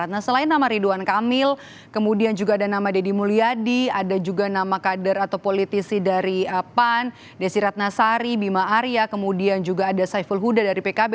nah selain nama ridwan kamil kemudian juga ada nama deddy mulyadi ada juga nama kader atau politisi dari pan desi ratnasari bima arya kemudian juga ada saiful huda dari pkb